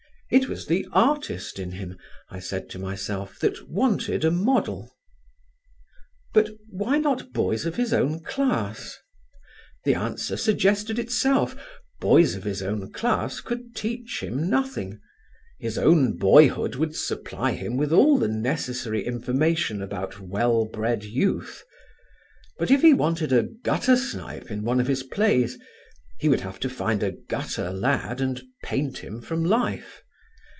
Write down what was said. It was the artist in him, I said to myself, that wanted a model. But why not boys of his own class? The answer suggested itself; boys of his own class could teach him nothing; his own boyhood would supply him with all the necessary information about well bred youth. But if he wanted a gutter snipe in one of his plays, he would have to find a gutter lad and paint him from life.